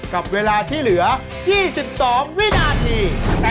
กับเวลาที่เหลือ๒๒วินาที